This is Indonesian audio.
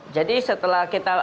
jadi setelah kita